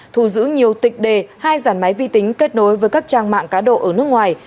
thù giữ nhiều tịch đề hai dàn máy vi tính kết nối với các trang mạng cá độ ở nước ngoài